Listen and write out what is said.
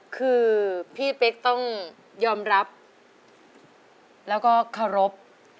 คือพี่เป๊กต้องยอมรับแล้วก็เคารพ